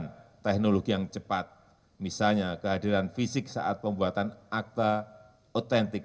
dengan teknologi yang cepat misalnya kehadiran fisik saat pembuatan akta otentik